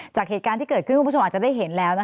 จากเหตุการณ์ที่เกิดขึ้นคุณผู้ชมอาจจะได้เห็นแล้ว